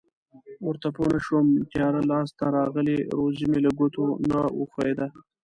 ورته پوه نشوم تیاره لاس ته راغلې روزي مې له ګوتو نه و ښویېده.